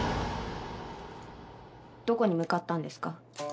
どこに向かったんですか？